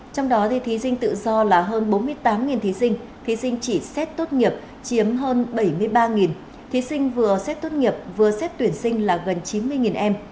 trong đó thí sinh tự do là hơn bốn mươi tám thí sinh thí sinh chỉ xét tốt nghiệp chiếm hơn bảy mươi ba thí sinh vừa xét tốt nghiệp vừa xét tuyển sinh là gần chín mươi em